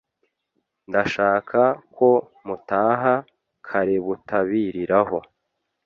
Ndashaka ko mutaha karebutabiriraho.